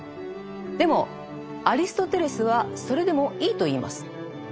でもアリストテレスはそれでもいいと言います。